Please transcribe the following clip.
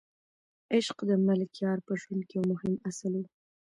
عشق د ملکیار په ژوند کې یو مهم اصل و.